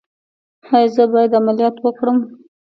ایا زه باید عملیات وکړم؟